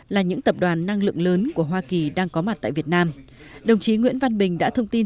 là những tập đoàn năng lượng lớn của hoa kỳ đang có mặt tại việt nam đồng chí nguyễn văn bình đã thông tin